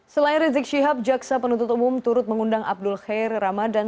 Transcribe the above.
selain rizik syihab jaksa penuntut umum turut mengundang abdul khair ramadan